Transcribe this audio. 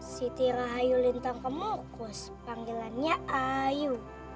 si tira hayu lintang kemurkus panggilannya ayu